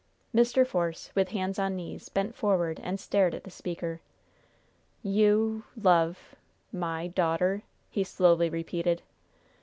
Mr. Force, with hands on knees, bent forward and stared at the speaker. "You love my daughter!" he slowly repeated.